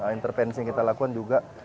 intervensi yang kita lakukan juga